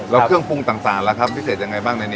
แล้วเครื่องปรุงต่างล่ะครับพิเศษยังไงบ้างในนี้